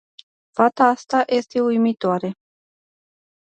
Fata asta este uimitoare.